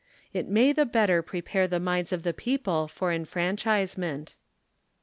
It may the better prepare the minds of the people for enfranchise ment.